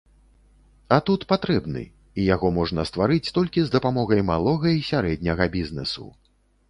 А тут патрэбны, і яго можна стварыць толькі з дапамогай малога і сярэдняга бізнэсу.